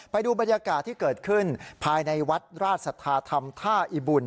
ไปดูบรรยากาศที่เกิดขึ้นภายในวัดราชสัทธาธรรมท่าอิบุญ